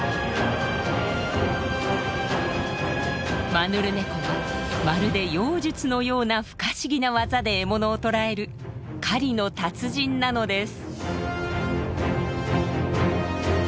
マヌルネコはまるで妖術のような不可思議なワザで獲物を捕らえる「狩りの達人」なのです。